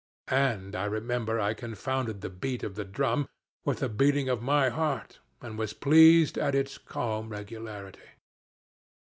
And I remember I confounded the beat of the drum with the beating of my heart, and was pleased at its calm regularity.